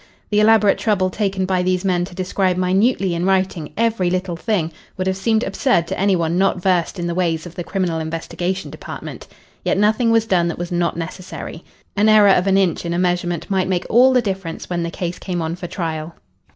The elaborate trouble taken by these men to describe minutely in writing every little thing would have seemed absurd to any one not versed in the ways of the Criminal Investigation Department. Yet nothing was done that was not necessary. An error of an inch in a measurement might make all the difference when the case came on for trial.